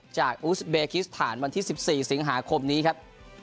อูสเบคิสถานวันที่๑๔สิงหาคมนี้ครับ